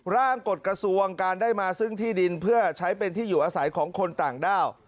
กฎกระทรวงการได้มาซึ่งที่ดินเพื่อใช้เป็นที่อยู่อาศัยของคนต่างด้าว